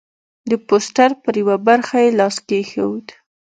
د پوسټر پر یوه برخه یې لاس کېښود.